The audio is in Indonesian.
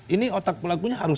ini otak pelakunya harus